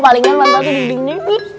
palingan mantan duduknya